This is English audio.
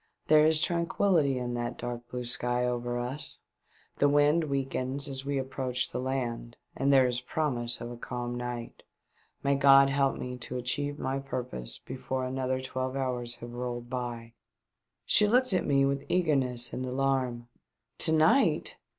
There is tranquihty in that dark blue sky over us ; the wind weakens as we approach the land, and there is promise of a calm night. May God help me to achieve my purpose before another twelve hours have rolled by." She looked at me with eagerness and alarm. "To night